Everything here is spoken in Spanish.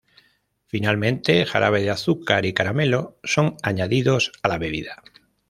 Finalmente, jarabe de azúcar y caramelo son añadidos a la bebida.